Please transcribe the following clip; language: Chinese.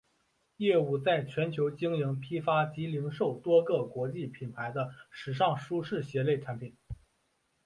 业务在全球经营批发及零售多个国际品牌的时尚舒适鞋类产品。